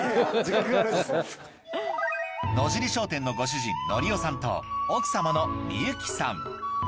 野尻商店のご主人法夫さんと奥様の美由紀さん